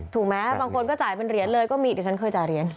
ถูกไหมบางคนก็จ่ายเป็นเหรียญเลยก็มีเดี๋ยวฉันเคยจ่ายเหรียญ